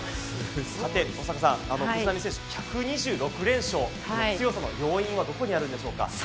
さて登坂さん、藤波選手１２６連勝、強さの要因はどこにあるんでしょうか？